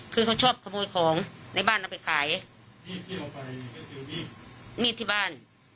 คือเขาชอบขโมยของในบ้านเอาไปขายนี่ที่บ้าน